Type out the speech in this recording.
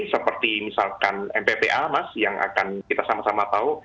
seperti misalkan mppa mas yang akan kita sama sama tahu